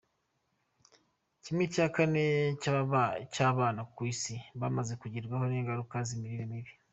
¼ cy’abana ku Isi bamaze kugerwaho n’ingaruka z’imirire mibi.